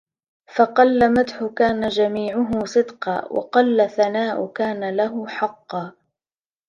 فَقَلَّ مَدْحٌ كَانَ جَمِيعُهُ صِدْقًا ، وَقَلَّ ثَنَاءٌ كَانَ لَهُ حَقًّا